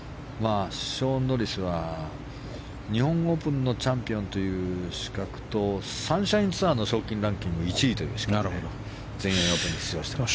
ショーン・ノリスは日本オープンのチャンピオンという資格とサンシャインツアーの賞金ランキング１位という資格で全英オープンに出場しています。